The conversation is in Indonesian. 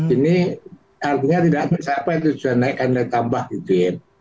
ini artinya tidak ada siapa yang tujuan naikkan dan tambah gitu ya